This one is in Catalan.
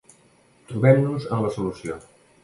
Trobem-nos en la solució.